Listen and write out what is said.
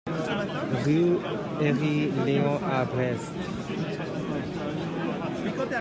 Rue Herri Léon à Brest